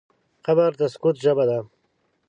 قبر د سکوت ژبه ده.